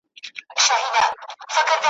نه په ژوندون وه پر چا راغلي ,